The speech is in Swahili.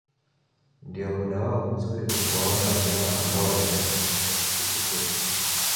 Ndio muda wao mzuri wa kuwaona wanyama ambao wanapenda kutembea usiku tu